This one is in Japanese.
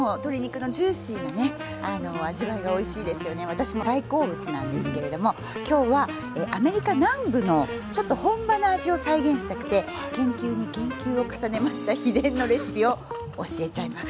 私も大好物なんですけれども今日はアメリカ南部のちょっと本場の味を再現したくて研究に研究を重ねました秘伝のレシピを教えちゃいます。